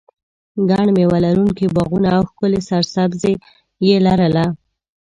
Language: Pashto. ګڼ مېوه لرونکي باغونه او ښکلې سرسبزي یې لرله.